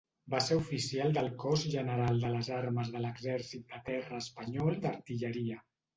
Va ser oficial del Cos General de les Armes de l’Exèrcit de Terra espanyol d’artilleria.